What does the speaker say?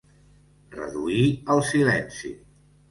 Reduir al silenci.